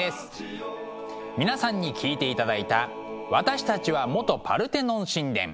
皆さんに聴いていただいた「私たちは元パルテノン神殿」。